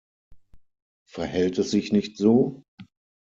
Verhält es sich nicht so?